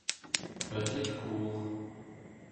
Pa vi aet kozh.